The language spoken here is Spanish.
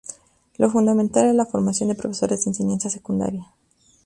Lo fundamental era la formación de profesores de enseñanza secundaria.